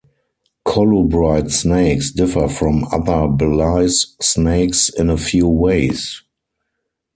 Colubrid snakes differ from other Belize snakes in a few ways.